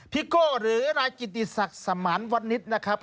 พิโกหรือนายกิติศักดิ์สามานวันนิตรนะครับ